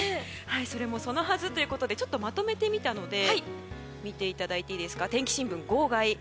それもそのはずということでちょっとまとめましたので見ていただいていいですか天気新聞号外。